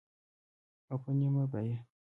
او په نیمه بیه